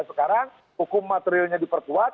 sekarang hukum materialnya diperkuat